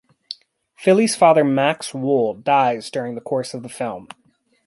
Philly's father, Max Wohl, dies during the course of the film.